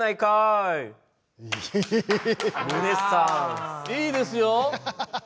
っていいですよ。